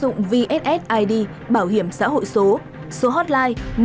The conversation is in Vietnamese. ứng dụng bảo hiểm xã hội việt nam